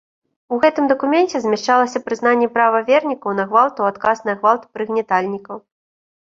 У гэтым дакуменце змяшчалася прызнанне права вернікаў на гвалт у адказ на гвалт прыгнятальнікаў.